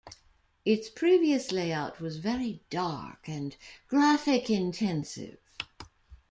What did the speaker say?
Its previous layout was very "dark" and graphic-intensive.